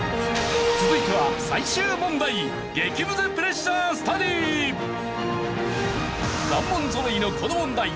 続いては最終問題難問ぞろいのこの問題